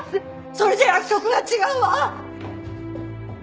それじゃ約束が違うわ！